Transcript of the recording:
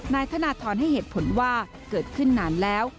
นายธนทรให้เหตุผลว่าเกิดขึ้นนานแล้ว